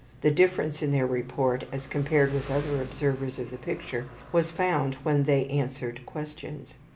The difference in their report as compared with other observers of the picture was found when they answered questions.